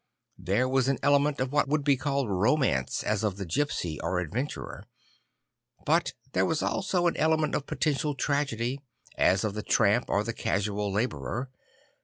There was an element of what would be called romance, as of the gipsy or adventurer. But there was also an element of potential tragedy, as of the tramp or the casual labourer.